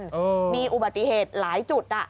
อืมมีอุบัติเหตุหลายจุดอ่ะ